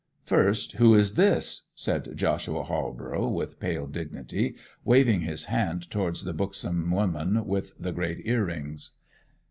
'First, who is this?' said Joshua Halborough with pale dignity, waving his hand towards the buxom woman with the great earrings.